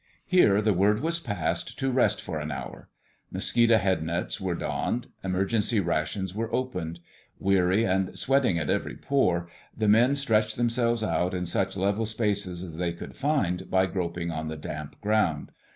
Here the word was passed to rest for an hour. Mosquito headnets were donned; emergency rations were opened. Weary, and sweating at every pore, the men stretched themselves out in such level spaces as they could find by groping on the damp ground.